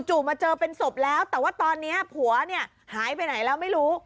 มาเจอเป็นศพแล้วแต่ว่าตอนนี้ผัวเนี่ยหายไปไหนแล้วไม่รู้